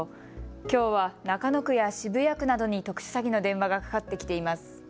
きょうは中野区や渋谷区などに特殊詐欺の電話がかかってきています。